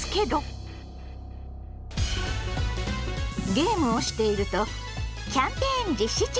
ゲームをしていると「キャンペーン実施中！！